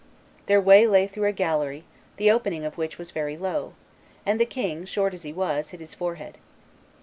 Their way lay through a gallery the opening of which was very low; and the king, short as he was, hit his forehead.